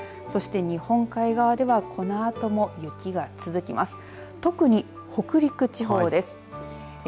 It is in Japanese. そして日本海側ではこのあとも雪が続きます。